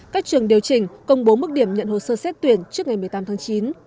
các trường điều chỉnh công bố mức điểm nhận hồ sơ xét tuyển trước ngày một mươi tám tháng chín